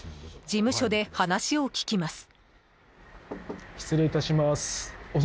事務所で話を聞きます。